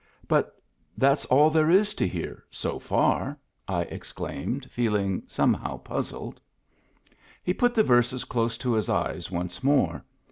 *• But that's all there is to hear — so far 1 " I ex claimed, feeling somehow puzzled. He put the verses close to his eyes once more.